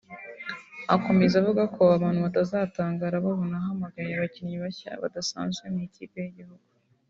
Akomeza avuga ko abantu bazatangara babona ahamagaye abakinnyi bashya badasanzwe mu Ikipe y’Igihugu